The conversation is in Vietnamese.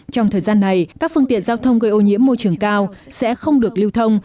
trong thời gian này các phương tiện giao thông gây ô nhiễm môi trường cao sẽ không được lưu thông